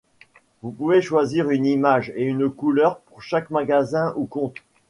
Vous pouvez choisir une image et une couleur pour chaque magasin ou compte.